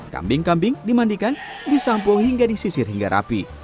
kambing kambing dimandikan disampung hingga disisir hingga rapi